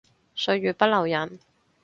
歲月不留人